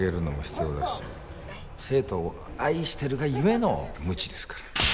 生徒を愛してるがゆえのムチですから。